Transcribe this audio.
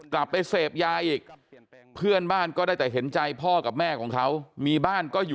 กลับไปเสพยาอีก